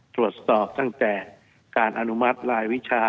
ตรวจสอบตั้งแต่การอนุมัติลายวิชา